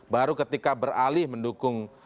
baru ketika beralih mendukung